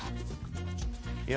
いや